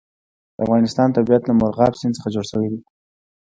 د افغانستان طبیعت له مورغاب سیند څخه جوړ شوی دی.